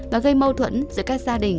và gây mâu thuẫn giữa các gia đình